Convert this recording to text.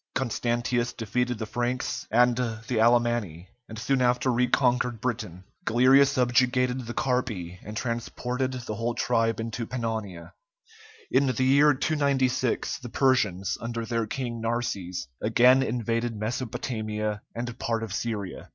Constantius defeated the Franks and the Alemanni, and soon after reconquered Britain. Galerius subjugated the Carpi, and transported the whole tribe into Pannonia. In the year 296, the Persians, under their king Narses, again invaded Mesopotamia and part of Syria.